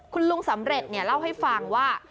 คุณลุงสำเร็จเล่าให้ฟังว่า